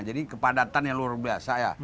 jadi kepadatan yang luar biasa ya